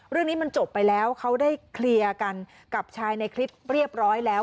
เรื่องนี้มันจบไปแล้วเขาได้เคลียร์กันกับชายในคลิปเรียบร้อยแล้ว